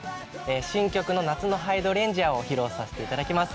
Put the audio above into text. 新曲の『夏のハイドレンジア』を披露さしていただきます。